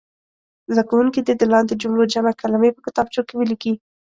زده کوونکي دې د لاندې کلمو جمع کلمې په کتابچو کې ولیکي.